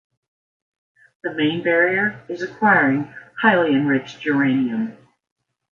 The main barrier is acquiring highly enriched uranium.